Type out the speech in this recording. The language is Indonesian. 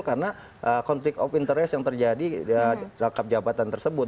karena konflik of interest yang terjadi di rangkap jabatan tersebut